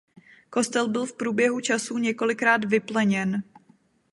Kostel byl v průběhu časů několikrát vypleněn.